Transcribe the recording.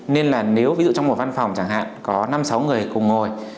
nên là nếu trong một văn phòng chẳng hạn có năm sáu người cùng ngồi